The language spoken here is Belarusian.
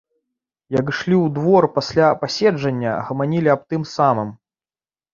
Як ішлі ў двор пасля пасяджэння, гаманілі аб тым самым.